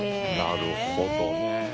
なるほどね。